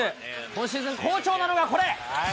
今シーズン好調なのはこれ。